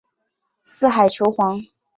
四海求凰。